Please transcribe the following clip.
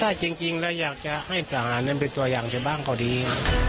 ถ้าจริงแล้วอยากจะให้ทหารนั้นเป็นตัวอย่างจะบ้างก็ดี